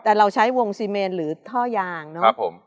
แต่เราใช้วงซีเมนหรือท่อยางนะครับผม